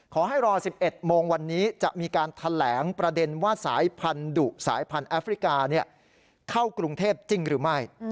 ขอให้รอ๑๑โมงวันนี้จะมีการแถลงประเด็นว่าสายพันธุสายพันธุ์แอฟริกาเข้ากรุงเทพจริงหรือไม่